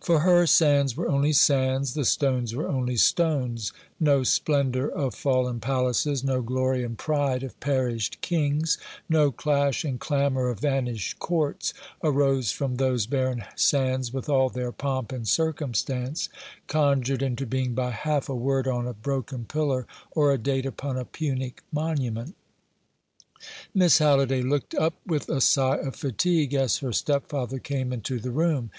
For her sands were only sands, the stones were only stones. No splendour of fallen palaces, no glory and pride of perished kings, no clash and clamour of vanished courts, arose from those barren sands, with all their pomp and circumstance, conjured into being by half a word on a broken pillar, or a date upon a Punic monument. Miss Halliday looked up with a sigh of fatigue as her stepfather came into the room.